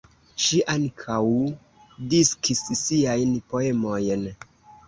Ŝi ankaŭ diskis siajn poemojn.